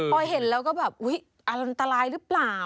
พอเห็นแล้วก็แบบอุ๊ยอันตรายหรือเปล่า